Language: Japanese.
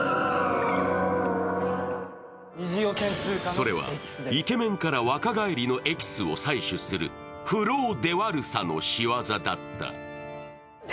それはイケメンから若返りのエキスを採取するフローデワルサの仕業だった。